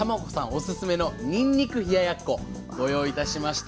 オススメのにんにく冷ややっこご用意いたしました。